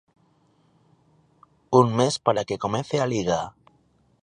Un mes para que comece a Liga.